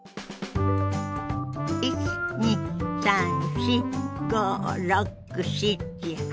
１２３４５６７８。